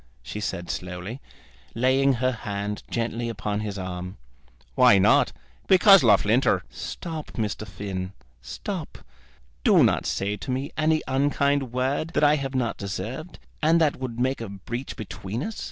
she said slowly, laying her hand gently upon his arm. "Why not? Because Loughlinter " "Stop, Mr. Finn; stop. Do not say to me any unkind word that I have not deserved, and that would make a breach between us.